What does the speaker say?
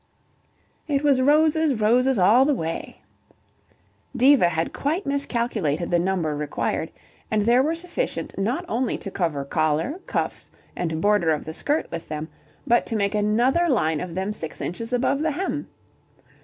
"It was roses, roses all the way." Diva had quite miscalculated the number required, and there were sufficient not only to cover collar, cuffs and border of the skirt with them but to make another line of them six inches above the hem.